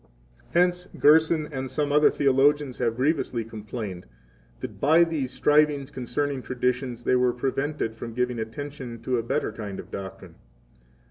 16 Hence Gerson and some other theologians have grievously complained that by these strivings concerning traditions they were prevented from giving attention to a better kind of doctrine.